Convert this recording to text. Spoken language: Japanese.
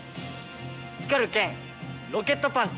光る剣ロケットパンチ。